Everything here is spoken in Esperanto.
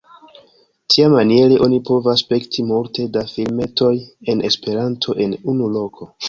Tiamaniere oni povas spekti multe da filmetoj en Esperanto en unu loko.